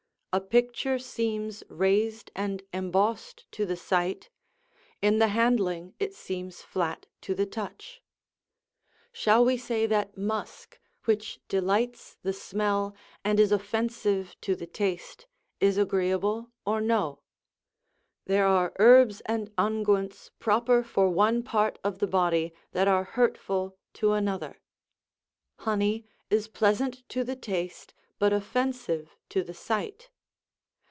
A picture seems raised and embossed to the sight; in the handling it seems flat to the touch. Shall we say that musk, which delights the smell, and is offensive to the taste, is agreeable or no? There are herbs and unguents proper for one part o£ the body, that are hurtful to another; honey is pleasant to the taste, but offensive to the sight.